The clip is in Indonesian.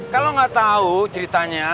kalau nggak tahu ceritanya